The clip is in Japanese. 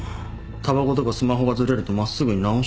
たばことかスマホがずれると真っすぐに直してる。